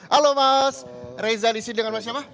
halo mas reza disini dengan mas siapa